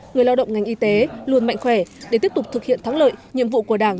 người lao động ngành y tế luôn mạnh khỏe để tiếp tục thực hiện thắng lợi nhiệm vụ của đảng